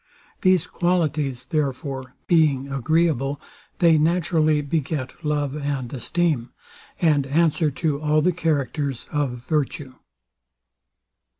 These qualities, therefore, being agreeable, they naturally beget love and esteem, and answer to all the characters of virtue.